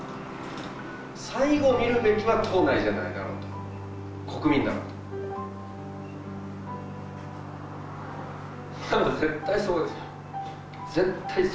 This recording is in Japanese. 最後見るべきは党内じゃないだろうと、国民なんだと。